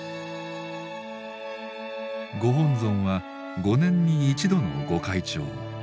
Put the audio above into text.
ご本尊は５年に一度のご開帳。